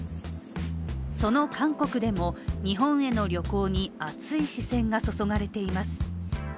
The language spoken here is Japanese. その韓国でも、日本への旅行に熱い視線が注がれています。